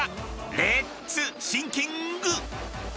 レッツシンキング！